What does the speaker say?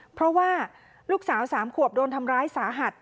เพราะว่าลูกสาว๓ขวบโดนทำร้ายสาหัส